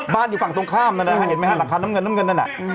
บ้านอยู่ฝั่งตรงข้ามนั่นนะฮะเห็นไหมฮะหลักค้าน้ำเงินนั่น